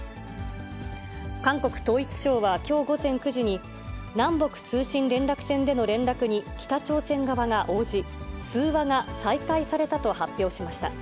韓国統一省はきょう午前９時に、南北通信連絡線での連絡に北朝鮮側が応じ、通話が再開されたと発表しました。